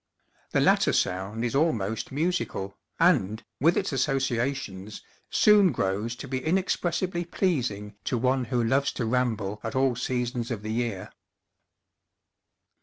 The latter sound is almost musical, and, with its associations, soon grows to be inexpressibly pleasing to one who loves to ramble at all seasons of the year.